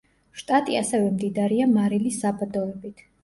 შტატი ასევე მდიდარია მარილის საბადოებით.